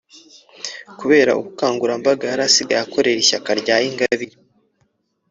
Kubera ubukangurambaga yarasigaye akorera ishyaka rya Ingabire